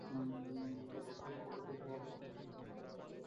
কেন্দ্র ঘোষিত কমিটি প্রত্যাখ্যান করে অপর পক্ষ পাল্টা কমিটি গঠন করেছে।